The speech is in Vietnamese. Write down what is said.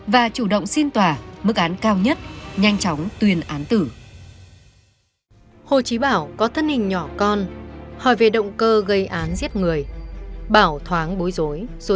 và chủ động xin tòa mức án cao nhất nhanh chóng tuyên án tử